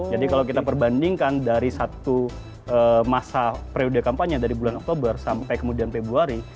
jadi kalau kita perbandingkan dari satu masa periode kampanye dari bulan oktober sampai kemudian februari